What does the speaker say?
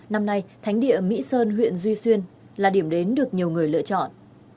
năm nay thánh địa mỹ sơn huyện duy xuyên là điểm đến được nhiều người lựa chọn